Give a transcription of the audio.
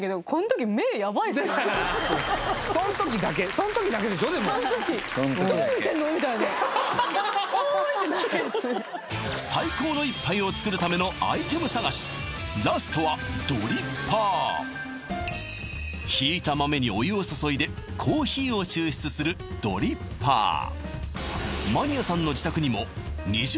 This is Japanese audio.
時そん時だけそん時だけでしょでもみたいな最高の一杯を作るためのアイテム探しラストはドリッパー挽いた豆にお湯を注いでコーヒーを抽出するドリッパーマニアさんの自宅にもの